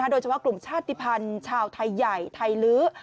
โดยเฉพาะกลุ่มชาติภัณฑ์ชาวไทยใหญ่ไทยลื้อ